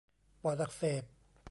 ปอดอักเสบ